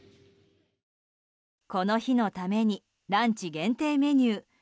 この日のためにランチ限定メニュー